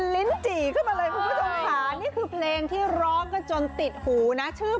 ลินจีลินจี